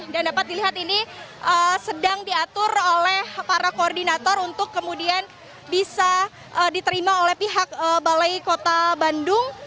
dapat dilihat ini sedang diatur oleh para koordinator untuk kemudian bisa diterima oleh pihak balai kota bandung